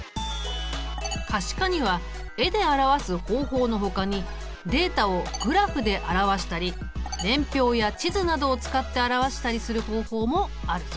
可視化には絵で表す方法のほかにデータをグラフで表したり年表や地図などを使って表したりする方法もあるぞ。